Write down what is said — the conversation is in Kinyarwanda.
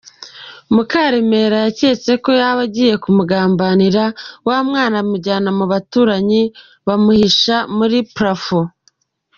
Mukaremera yakenze ko yaba agiye kumugambanira, wa mwana amujyana mu baturanyi bamuhisha muri parafo.